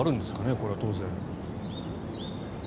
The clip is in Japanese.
これは当然。